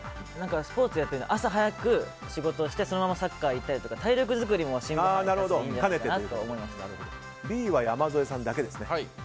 スポーツやってて朝早く仕事をしてそのままサッカー行ったりとか体力作りにもＢは山添さんだけですね。